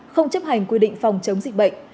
không chấp hành quy định phòng chống dịch bệnh